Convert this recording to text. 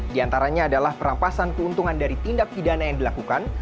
di antaranya adalah perampasan keuntungan dari tindak pidana yang dilakukan